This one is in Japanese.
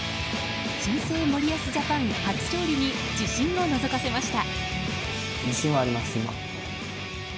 新生森保ジャパン初勝利に自信をのぞかせました。